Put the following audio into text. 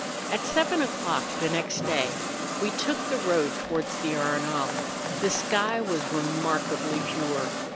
At seven o'clock the next day we took the road towards the Arenal. The' sky was remarkably pure.